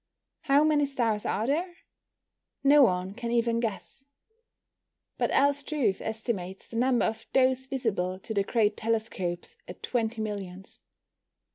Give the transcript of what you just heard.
How many stars are there? No one can even guess. But L. Struve estimates the number of those visible to the great telescopes at 20 millions.